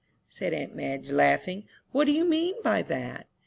said aunt Madge, laughing; "what do you mean by that?"